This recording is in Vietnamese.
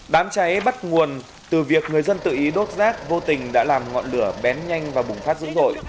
đám cháy bắt nguồn từ việc người dân tự ý đốt rác vô tình đã làm ngọn lửa bén nhanh và bùng phát dữ dội